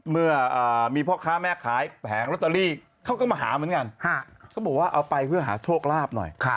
เมื่อมีพ่อค้าแม่ขายแผงลอตเตอรี่เขาก็มาหาเหมือนกันเขาบอกว่าเอาไปเพื่อหาโชคลาภหน่อย